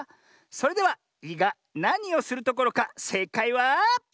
それでは「い」がなにをするところかせいかいは。